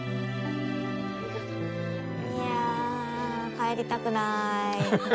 いや、帰りたくない。